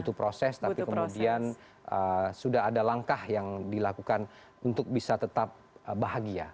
butuh proses tapi kemudian sudah ada langkah yang dilakukan untuk bisa tetap bahagia